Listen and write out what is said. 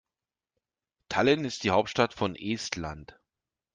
Tallinn ist die Hauptstadt von Estland.